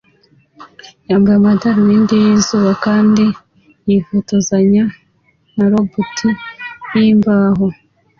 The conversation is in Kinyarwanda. yambaye amadarubindi yizuba kandi yifotozanya na robot yimbaho